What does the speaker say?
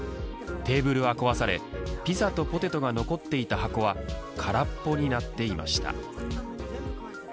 テーブルは壊されピザとポテトが残っていた箱は空っぽになっていました。